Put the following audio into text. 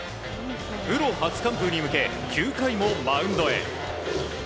プロ初完封に向けて９回もマウンドへ。